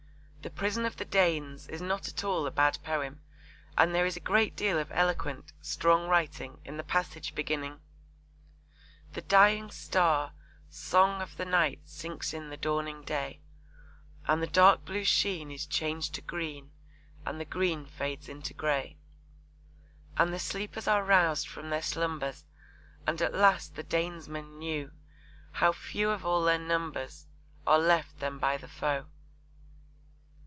The Prison of the Danes is not at all a bad poem, and there is a great deal of eloquent, strong writing in the passage beginning: The dying star song of the night sinks in the dawning day, And the dark blue sheen is changed to green, and the green fades into grey, And the sleepers are roused from their slumbers, and at last the Danesmen know How few of all their numbers are left them by the foe.